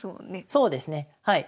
そうですねはい。